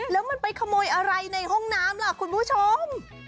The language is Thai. แล้วมันไปขโมยอะไรในห้องน้ำล่ะคุณผู้ชม